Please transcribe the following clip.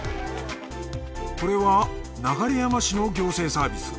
これは流山市の行政サービス。